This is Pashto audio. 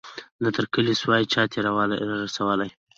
نه تر کلي سوای چا تېل را رسولای